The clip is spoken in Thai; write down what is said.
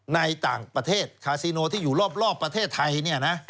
ในต่างประเทศคาซิโนที่อยู่รอบประเทศไทยเนี่ยนะ